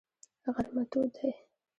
غرمه تود دی.